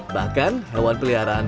bahkan hewan peliharaan